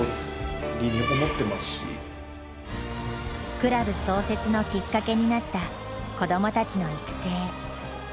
クラブ創設のきっかけになった子どもたちの育成。